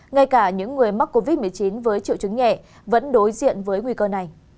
ngay cả những người mắc covid một mươi chín với triệu chứng nhẹ vẫn đối diện với nguy cơ này